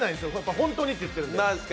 本当にって言ってるんで。